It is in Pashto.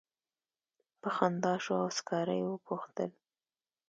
په خندا شو او سکاره یې وپوښتل.